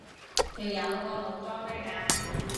條友個腦裝咩㗎？